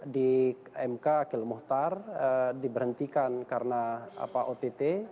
di mk akil muhtar diberhentikan karena ott